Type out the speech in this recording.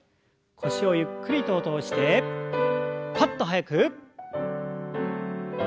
腰をゆっくりと落としてパッと速く。